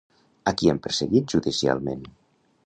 A qui han perseguit judicialment?